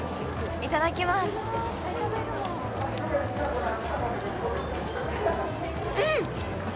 いただきますうん！